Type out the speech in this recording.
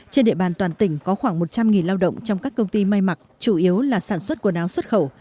trên địa bàn toàn tỉnh có khoảng một trăm linh lao động trong các công ty may mặc chủ yếu là sản xuất quần áo xuất khẩu